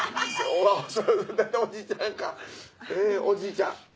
おじちゃん？